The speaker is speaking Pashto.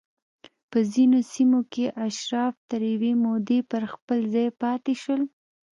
په ځینو سیمو کې اشراف تر یوې مودې پر خپل ځای پاتې شول